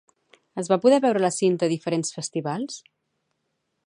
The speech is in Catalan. Es va poder veure la cinta a diferents festivals?